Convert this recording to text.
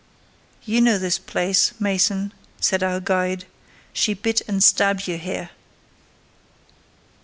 "You know this place, Mason," said our guide; "she bit and stabbed you here."